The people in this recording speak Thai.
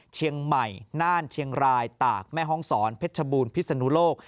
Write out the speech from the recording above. เชียงใหม่น่านเชียงรายตากแม่ห้องศรเพชรบูรณพิศนุโลก